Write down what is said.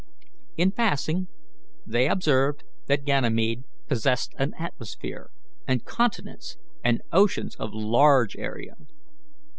In passing, they observed that Ganymede possessed an atmosphere, and continents and oceans of large area.